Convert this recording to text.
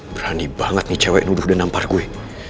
berani banget nih cewek udah nampar gue